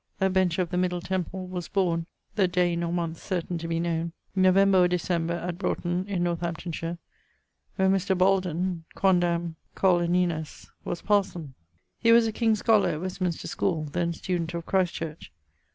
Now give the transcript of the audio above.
a bencher of the Middle Temple, was borne (the day nor moneth certaine to be knowne) November or December at Broughton in Northamptonshire, where Mr. Boldon, quondam Coll. Aeneinas., was parson. He was a king's scholar at Westminster schole, then student of Christ Church.